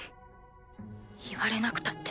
言われなくたって。